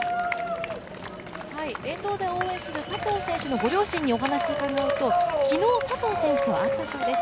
沿道で応援する佐藤選手のご両親にお話を聞くと昨日、佐藤選手と会ったそうです。